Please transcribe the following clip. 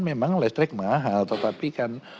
memang listrik mahal tetapi kan